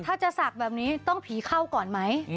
ถ้าจะศักดิ์แบบนี้ต้องผีเข้าก่อนไหม